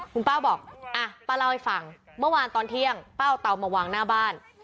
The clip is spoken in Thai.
คุณป้าบอกอ่ะป้าเล่าให้ฟังเมื่อวานตอนเที่ยงป้าเอาเตามาวางหน้าบ้าน